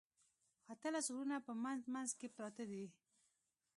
اتلس غرونه په منځ منځ کې پراته دي.